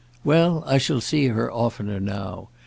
"Well, I shall see her oftener now.